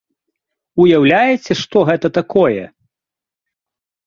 Уяўляеце, што гэта такое?!